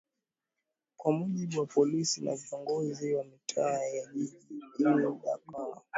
kwa mujibu wa polisi na viongozi wa mitaa ya jijini dakar